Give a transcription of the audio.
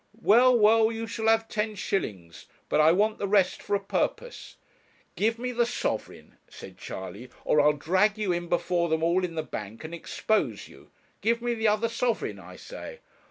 'Well, well, you shall have ten shillings; but I want the rest for a purpose.' 'Give me the sovereign,' said Charley, 'or I'll drag you in before them all in the bank and expose you; give me the other sovereign, I say.'